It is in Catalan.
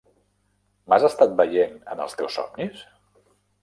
M'has estat veient en els teus somnis?